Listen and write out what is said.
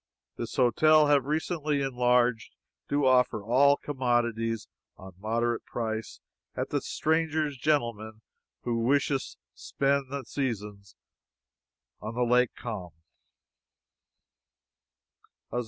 This hotel have recently enlarge, do offer all commodities on moderate price, at the strangers gentlemen who whish spend the seasons on the Lake Come."